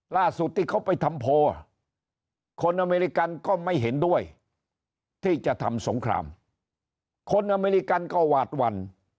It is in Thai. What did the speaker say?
ล่าสุดที่เขาไปทำโพลคนอเมริกันก็ไม่เห็นด้วยที่จะทำสงครามคนอเมริกันก็หวาดหวั่น